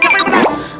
siapa yang menang